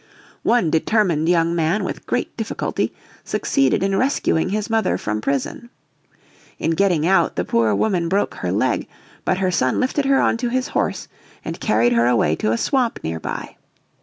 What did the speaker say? One determined young man with great difficulty succeeded in rescuing his mother from prison. In getting out the poor woman broke her leg, but her son lifted her on to his horse and carried her away to a swamp near by.